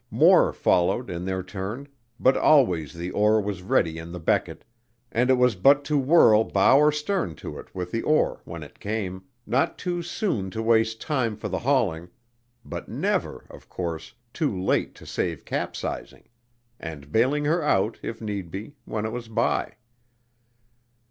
More followed in their turn; but always the oar was handy in the becket, and it was but to whirl bow or stern to it with the oar when it came, not too soon to waste time for the hauling but never, of course, too late to save capsizing; and bailing her out, if need be, when it was by.